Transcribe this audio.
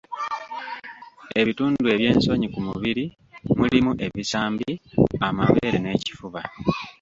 Ebitundu ebyensonyi ku mubiri mulimu ebisambi, amabeere n'ekifuba.